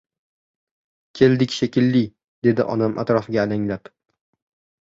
— Keldik shekilli, — dedi onam atrofga alanglab.